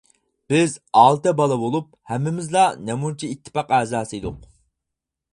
بىز ئالتە بالا بولۇپ ھەممىمىزلا نەمۇنىچى ئىتتىپاق ئەزاسى ئىدۇق.